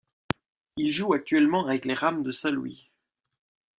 Il joue actuellement avec les Rams de Saint-Louis.